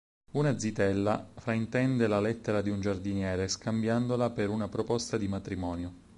Una zitella fraintende la lettera di un giardiniere scambiandola per una proposta di matrimonio.